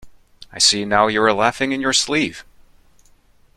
I see now you were laughing in your sleeve.